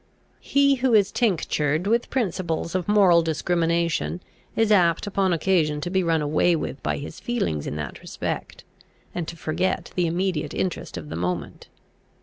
He who is tinctured with principles of moral discrimination is apt upon occasion to be run away with by his feelings in that respect, and to forget the immediate interest of the moment.